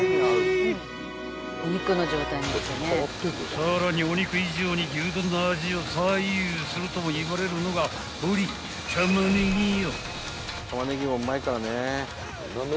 ［さらにお肉以上に牛丼の味を左右するともいわれるのがほれタマネギよ］